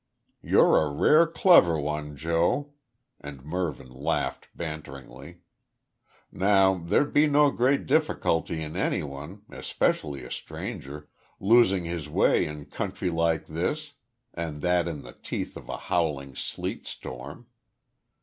"You're a rare clever 'un, Joe," and Mervyn laughed banteringly. "Now there'd be no great difficulty in any one, especially a stranger, losing his way in country like this, and that in the teeth of a howling sleet storm.